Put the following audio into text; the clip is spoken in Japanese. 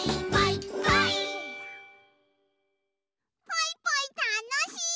ポイポイたのしい！